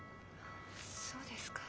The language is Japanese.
そうですか。